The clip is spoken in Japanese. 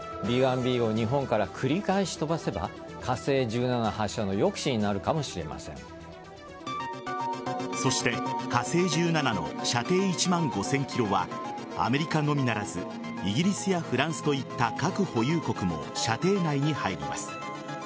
Ｂ‐１Ｂを日本から繰り返し飛ばせば火星１７発射のそして火星１７の射程１万５０００ｋｍはアメリカのみならずイギリスやフランスといった核保有国も射程内に入ります。